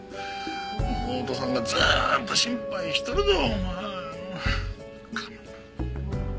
妹さんがずっと心配しとるぞお前。